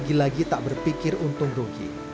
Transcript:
lagi lagi tak berpikir untung rugi